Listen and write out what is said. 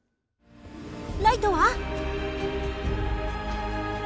ライトは？